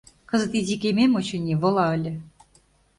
Кызыт изи кемем, очыни, вола ыле.